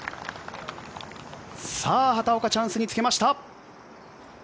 畑岡、チャンスにつけました。